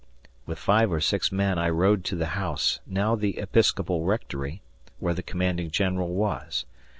With five or six men I rode to the house, now the Episcopal rectory, where the commanding general was.